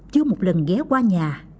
chưa một lần ghé qua nhà